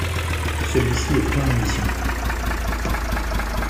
Celui-ci est plein d'ambitions.